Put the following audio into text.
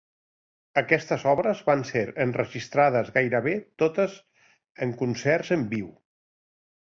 Aquestes obres van ser enregistrades gairebé totes en concerts en viu.